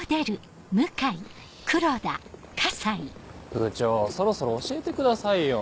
部長そろそろ教えてくださいよ。